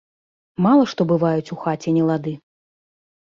Мала што бываюць у хаце нелады.